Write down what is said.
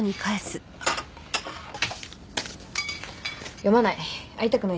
読まない。